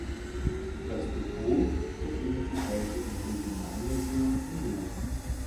Das Depot befindet sich heute im Regionalmuseum in Most.